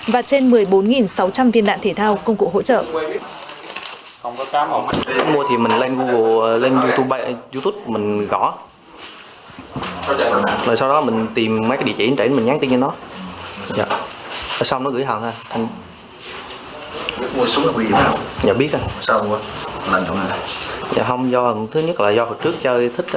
và trên một mươi bốn sáu trăm linh viên đạn thể thao công cụ hỗ trợ